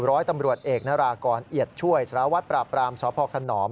ร้อยตำรวจเอกนารากรเอียดช่วยสารวัตรปราบรามสพขนอม